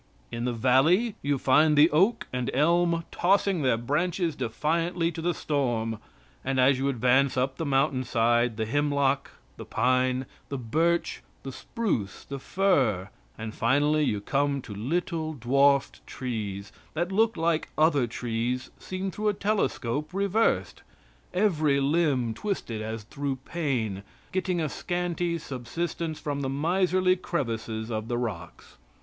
In the valley you find the oak and elm tossing their branches defiantly to the storm, and as you advance up the mountain side the hemlock, the pine, the birch, the spruce, the fir, and finally you come to little dwarfed trees, that look like other trees seen through a telescope reversed every limb twisted as through pain getting a scanty subsistence from the miserly crevices of the rocks.